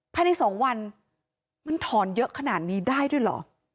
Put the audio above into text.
ภายใน๒วันมันถอนเยอะขนาดนี้ได้ด้วยเหรอ